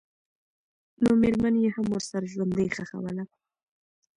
نومېرمن یې هم ورسره ژوندۍ ښخوله.